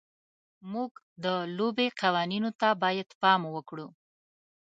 موږ د لوبې قوانینو ته باید پام وکړو.